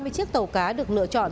ba mươi chiếc tàu cá được lựa chọn